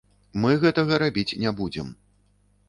Мы гэтага рабіць не будзем.